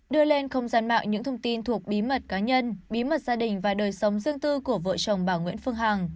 đưa lên không gian mạng những thông tin thuộc bí mật cá nhân bí mật gia đình và đời sống riêng tư của vợ chồng bà nguyễn phương hằng